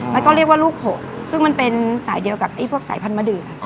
แล้วก็เรียกว่าลูกหกซึ่งมันเป็นสายเดียวกับพวกสายพันธุมะเดือ